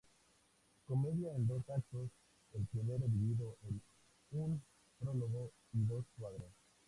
Comedia en dos actos, el primero dividido en un prólogo y dos cuadros.